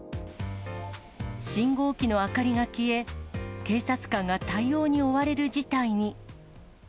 信号機の明かりが消え、警察官が対応に追われる事態に。